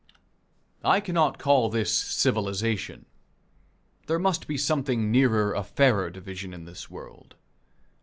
I cannot call this civilization. There must be something nearer a fairer division in this world.